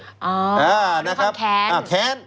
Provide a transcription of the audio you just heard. อ๋อคือความแค้น